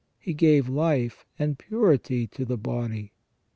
He gave life and purity to the body.